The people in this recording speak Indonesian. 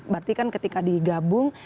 berarti kan ketika digabung